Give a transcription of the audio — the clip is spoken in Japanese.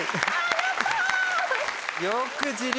やった！